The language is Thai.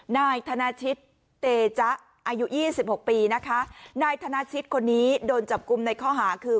นายธนาชิตเตจ๊ะอายุยี่สิบหกปีนะคะนายธนาชิตคนนี้โดนจับกลุ่มในข้อหาคือ